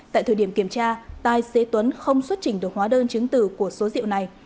tại thời điểm kiểm tra tài xế tuấn không xuất trình được hóa đơn chứng từ của số rượu này